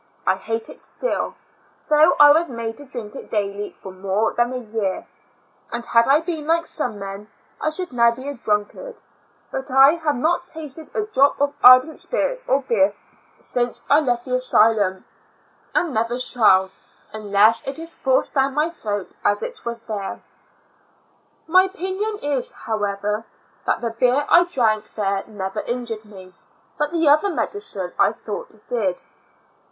I hate it still, though I was made to drink it daily for more than a year, and had I been like some men, I should now be a drunkard; but I have not tasted a drop of ardent spirits or beer since I left the asylum, and never shall, unless it is forced down my throat as it was there. My IN aL una tic Asyl um. 7 7 opinion is, however, tliat the beer I drank there never injured me, but the other medi cine I thought did.